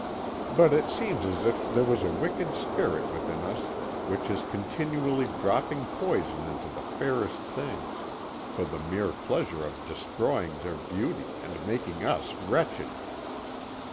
But it seems as if there was a wicked spirit within us which is continually dropping poison into the fairest things, for the mere pleasure of destroying their beauty and making us wretched.